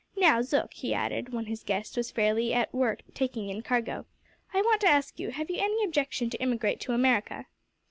Now, Zook," he added, when his guest was fairly at work taking in cargo, "I want to ask you have you any objection to emigrate to America?"